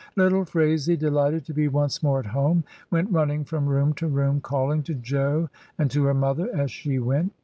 Little Phraisie, delighted to be once more at home, went running from room to room calling to Jo and to her mother as she went.